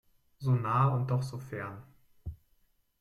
So nah und doch so fern!